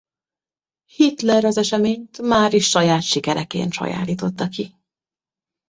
Hitler az eseményt máris saját sikereként sajátította ki.